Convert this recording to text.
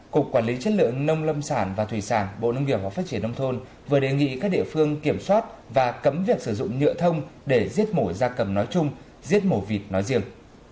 cục quản lý chất lượng nông lâm sản và thủy sản bộ nông nghiệp và phát triển nông thôn vừa đề nghị các địa phương kiểm soát và cấm việc sử dụng nhựa thông để giết mổ ra cầm nói chung giết mổ vịt nói riêng